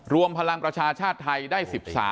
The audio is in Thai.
รวมพลังประชาชาติไทยได้๑๓